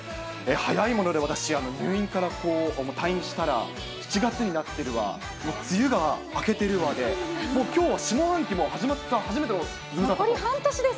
早いもので私、入院から退院したら、７月になってるわ、梅雨が明けてるわで、もうきょうは下半期も始まった初めてのズムサタで。